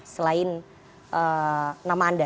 selain nama anda